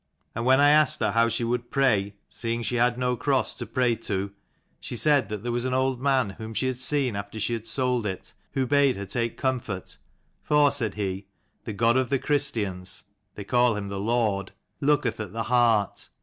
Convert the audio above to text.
And when I asked her how she would pray, seeing she had no cross to pray to, she said that there was an old man whom she had seen after she had sold it, who bade her take comfort, for, said he, the God of the Christians, they call him the Lord, looketh at the heart.